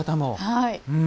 はい。